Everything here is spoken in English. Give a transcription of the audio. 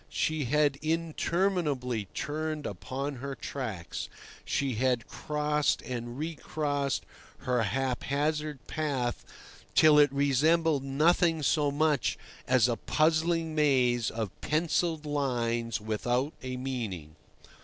She had interminably turned upon her tracks, she had crossed and recrossed her haphazard path till it resembled nothing so much as a puzzling maze of pencilled lines without a meaning.